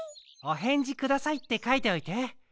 「おへんじください」ってかいておいて。